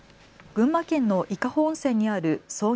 群馬県の伊香保温泉にある創業